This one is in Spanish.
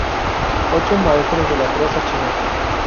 Ocho maestros de la prosa china